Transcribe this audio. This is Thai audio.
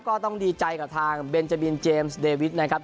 ก็ต้องดีใจกับทางเบนเจบินเจมส์เดวิทนะครับ